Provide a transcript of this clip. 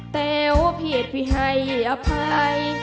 แต่พี่เอดพี่ให้อภัย